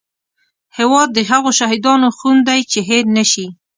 هیواد د هغو شهیدانو خون دی چې هېر نه شي